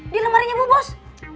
di lemarinya ibu bos